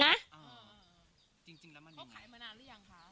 เขาขายมานานหรือยังคะ